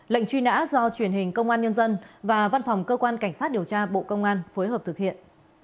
lệnh truy nã do truyền hình công an nhân dân và văn phòng cơ quan cảnh sát điều tra bộ công an phối hợp thực hiện